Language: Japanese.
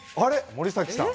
森崎さん。